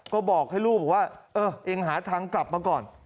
ก็บอกให้ลูกบอกว่าเออเองหาทางกลับมาก่อน